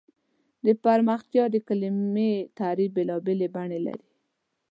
د پرمختیا د کلیمې تعریف بېلابېل بڼې لري.